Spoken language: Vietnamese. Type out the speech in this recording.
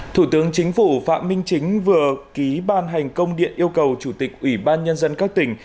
thủ tướng chính phủ phạm minh chính vừa ký ban hành công điện yêu cầu chủ tịch ủy ban nhân dân các tỉnh